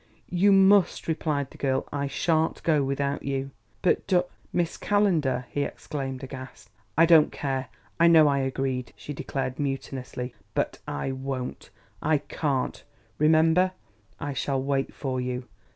"You must," replied the girl. "I shan't go without you." "But, Dor Miss Calendar!" he exclaimed, aghast. "I don't care I know I agreed," she declared mutinously. "But I won't I can't. Remember I shall wait for you."